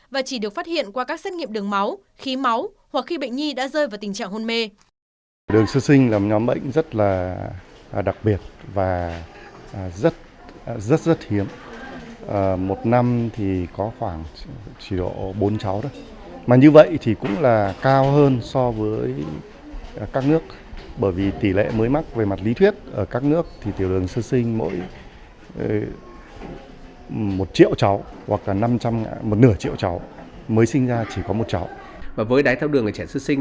và chỉ được phát hiện qua các xét nghiệm đường máu khí máu hoặc khi bệnh nhi đã rơi vào tình trạng hôn mê